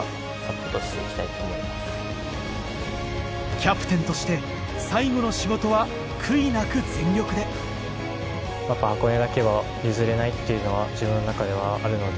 キャプテンとして最後の仕事は悔いなく全力でっていうのは自分の中ではあるので。